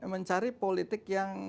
mencari politik yang